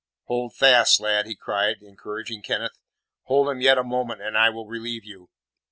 "Hold fast, lad," he cried, encouraging Kenneth, "hold him yet a moment, and I will relieve you!"